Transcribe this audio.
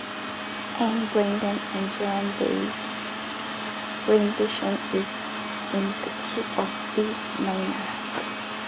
Anne Bredon and Joan Baez's rendition is in the key of B minor.